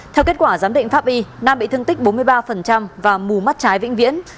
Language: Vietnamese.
theo kết quả giám định pháp y nam bị thương tích bốn mươi ba và mù mắt trái vĩnh viễn